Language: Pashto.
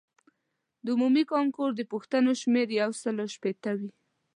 د عمومي کانکور د پوښتنو شمېر یو سلو شپیته وي.